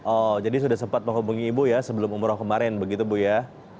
oh jadi sudah sempat menghubungi ibu ya sebelum umroh kemarin begitu bu ya